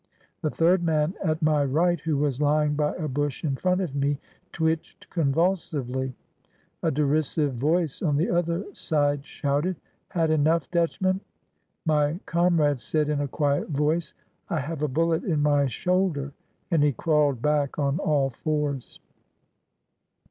The third man at my right, who was l3dng by a bush in front of me, twitched convulsively. A derisive voice on the other side shouted : "Had enough, Dutchman?" My comrade said, in a quiet voice: "I have a bullet in my shoulder," and he crawled back on all fours.